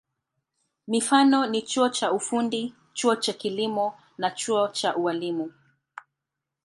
Mifano ni chuo cha ufundi, chuo cha kilimo au chuo cha ualimu.